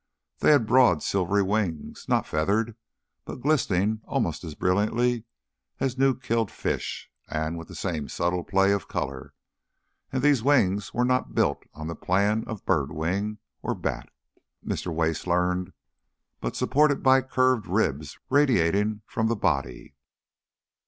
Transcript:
They had broad, silvery wings, not feathered, but glistening almost as brilliantly as new killed fish and with the same subtle play of colour, and these wings were not built on the plan of bird wing or bat, Mr. Wace learned, but supported by curved ribs radiating from the body.